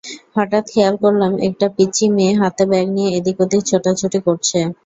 হঠাৎ খেয়াল করলাম একটা পিচ্চি মেয়ে হাতে ব্যাগ নিয়ে এদিক-ওদিক ছোটাছুটি করছে।